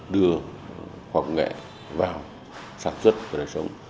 đưa khoa học nghệ vào sản xuất và đời sống